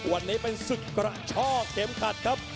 วันนี้เป็นศึกกระช่อเข็มขัดครับ